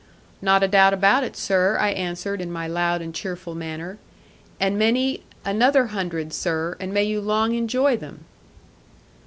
'Not a doubt about it, sir,' I answered in my loud and cheerful manner; 'and many another hundred, sir; and may you long enjoy them!'